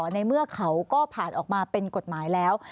ในเมื่อเขาก็ผ่านออกมาเป็นกฎหมายแล้ว